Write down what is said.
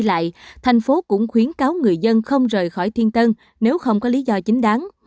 đi lại thành phố cũng khuyến cáo người dân không rời khỏi thiên tân nếu không có lý do chính đáng